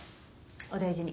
お大事に。